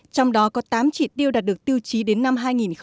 trong đó có tám chỉ tiêu đạt được tiêu chí đến năm hai nghìn hai mươi